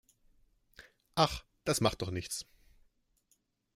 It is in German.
Ach, das macht doch nichts.